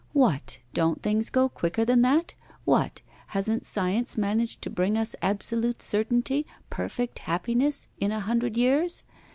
What! don't things go quicker than that? What! hasn't science managed to bring us absolute certainty, perfect happiness, in a hundred years?